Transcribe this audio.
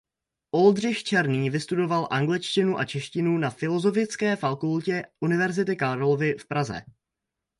Oldřich Černý vystudoval angličtinu a češtinu na Filozofické fakultě Univerzity Karlovy v Praze.